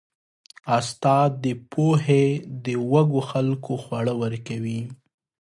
استاد د پوهې د وږو خلکو خواړه ورکوي.